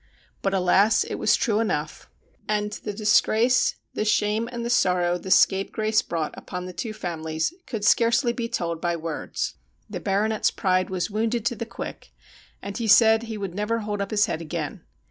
But, alas ! it was true enough ; and the disgrace, the shame, and the sorrow the scapegrace brought upon the two families could scarcely be told by words. The Baronet's pride was wounded to the quick, and he said he would never hold up his hea d again.